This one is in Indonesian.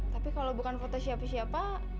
tapi kalau bukan foto siapa siapa